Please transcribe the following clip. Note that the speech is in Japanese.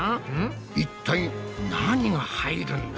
一体何が入るんだ？